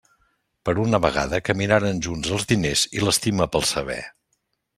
Per una vegada caminaren junts els diners i l'estima pel saber.